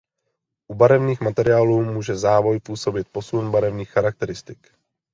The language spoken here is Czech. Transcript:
U barevných materiálů může závoj způsobit posun barevných charakteristik.